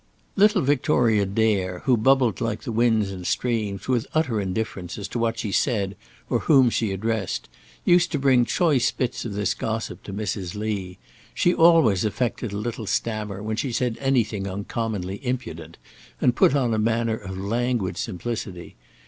Little Victoria Dare, who babbled like the winds and streams, with utter indifference as to what she said or whom she addressed, used to bring choice bits of this gossip to Mrs. Lee. She always affected a little stammer when she said anything uncommonly impudent, and put on a manner of languid simplicity.